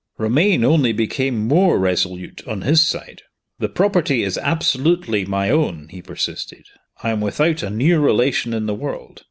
Romayne only became more resolute on his side. "The property is absolutely my own," he persisted. "I am without a near relation in the world.